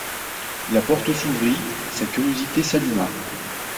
La porte s’ouvrit, sa curiosité s’alluma.